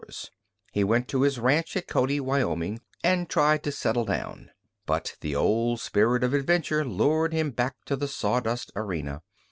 He went to his ranch at Cody, Wyoming, and tried to settle down. But the old spirit of adventure lured him back to the sawdust arena.